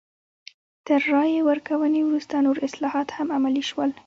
تر رایې ورکونې وروسته نور اصلاحات هم عملي شول.